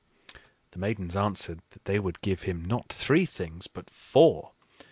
The Maidens answered that they would give him not three things, but four.